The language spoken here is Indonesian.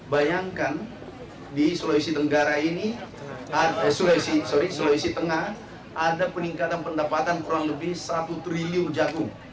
bayangkan di sulawesi tengah ada peningkatan pendapatan kurang lebih satu triliun jagung